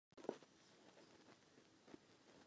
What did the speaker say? Pane předsedo, ještě jednou Vám blahopřeji ke jmenování.